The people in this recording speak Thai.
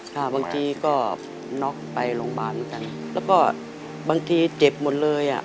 ค่ะบางทีก็น็อกไปโรงพยาบาลเหมือนกันแล้วก็บางทีเจ็บหมดเลยอ่ะ